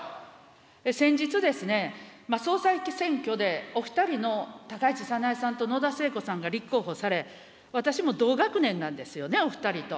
先日、総裁選挙でお２人の高市早苗さんと野田聖子さんが立候補され、私も同学年なんですよね、お２人と。